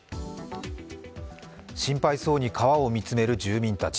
心配そうに川を見つめる住民たち。